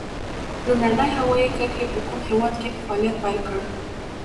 لومړنۍ هوایي کرښې په کوم هېواد کې په فعالیت پیل وکړ؟